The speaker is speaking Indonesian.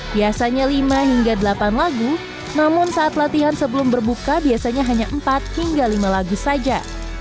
biasanya lima hingga delapan lagu namun saat latihan sebelum berbuka biasanya hanya empat hingga lima lagu saja